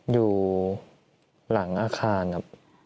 อยู่หลังอาคารครับ